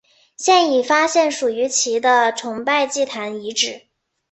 现已发现属于其的崇拜祭坛遗址。